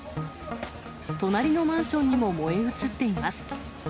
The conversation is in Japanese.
隣のマンションにも燃え移っています。